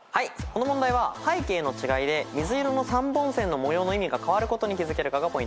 この問題は背景の違いで水色の三本線の模様の意味がかわることに気付けるかがポイントでした。